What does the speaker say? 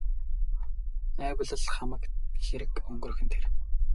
Айвал л хамаг хэрэг өнгөрөх нь тэр.